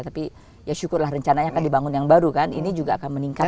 tapi ya syukurlah rencananya akan dibangun yang baru kan ini juga akan meningkat